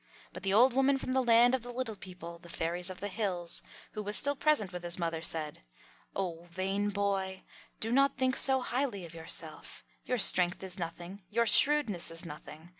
But the old woman from the Land of the Little People, the fairies of the hills, who was still present with his mother, said, "Oh, vain boy, do not think so highly of yourself. Your strength is nothing; your shrewdness is nothing.